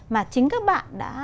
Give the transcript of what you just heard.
mà chính các bạn đã